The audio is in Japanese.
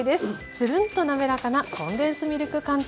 ツルンと滑らかなコンデンスミルク寒天。